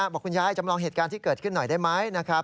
บอกคุณยายจำลองเหตุการณ์ที่เกิดขึ้นหน่อยได้ไหมนะครับ